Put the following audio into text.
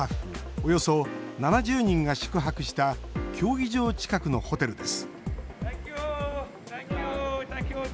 およそ７０人が宿泊した競技場近くのホテルです